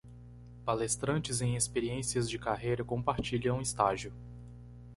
Palestrantes em experiências de carreira compartilham estágio